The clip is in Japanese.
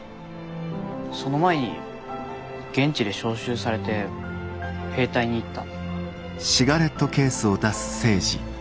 その前に現地で召集されて兵隊に行った。